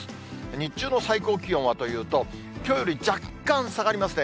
日中の最高気温はというと、きょうより若干下がりますね。